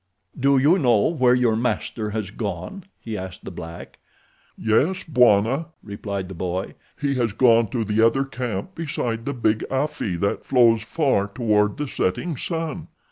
"Do you know where your master has gone?" he asked the black. "Yes, Bwana," replied the boy. "He has gone to the other camp beside the big afi that flows far toward the setting sun.